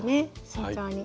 慎重に。